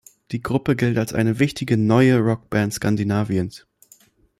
Die Gruppe gilt als eine wichtige „neue“ Rock-Band Skandinaviens.